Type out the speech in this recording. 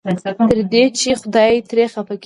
تر دې چې خدای ترې خفه کېږي.